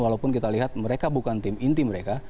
walaupun kita lihat mereka bukan tim inti mereka